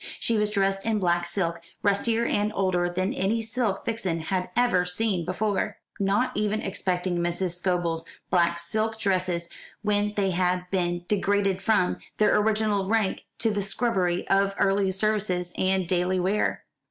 She was dressed in black silk, rustier and older than any silk Vixen had ever seen before: not even excepting Mrs. Scobel's black silk dresses, when they had been degraded from their original rank to the scrubbery of early services and daily wear.